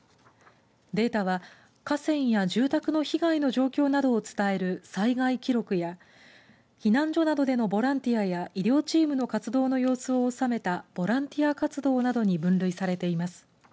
データは、河川や住宅の被害の状況などを伝える災害記録や避難所などでのボランティアや医療チームの活動の様子を収めたボランティア活動などに分類されています。